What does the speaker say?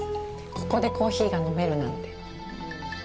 ここでコーヒーが飲めるなんて。